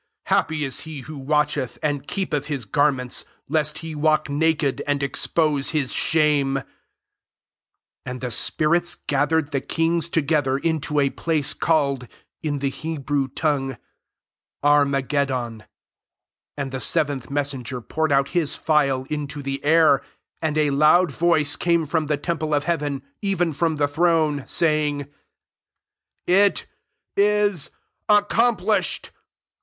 Happy ia he who watch eth, and keepeth his garments, lest he walk naked, and expose his shame.*') 16 And the afiirita REVELATION XVII. 409 gathered the kings together into a place, called, in the Hebrew tongue, Armageddon,* 17 And the seventh messen* ger poured out his phial into the air; and a [loudl voice came from the temple [q/* hea" vtfn], even from the throne, saying, « It is accomplished."